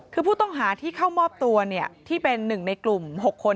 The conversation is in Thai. คือผู้ต้องหาที่เข้ามอบตัวที่เป็นหนึ่งในกลุ่ม๖คน